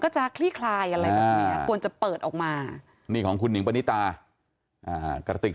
ก็จะคลี้คลายอะไรควรจะเปิดออกมานี่ของคุณนิงปนิตากระติก